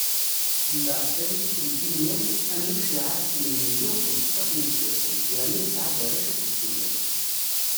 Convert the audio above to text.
Mbeɛd talalit n Qiynan, Anuc iɛac tmen meyya u xemseṭṭac n iseggasen, yerna yesɛa-d arrac akked tullas.